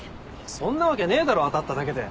そんなわけねえだろ当たっただけで。